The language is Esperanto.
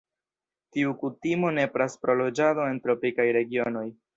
Tiu kutimo nepras pro loĝado en tropikaj regionoj.